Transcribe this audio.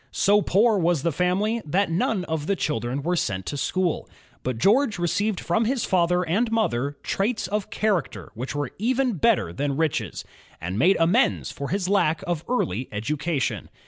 So poor was the family, that none of the children were sent to school. But George received from his father and mother traits of character which were even better than riches, and made amends for his lack of early education.